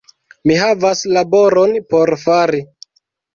Mi havas laboron por fari